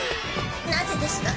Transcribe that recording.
なぜですか？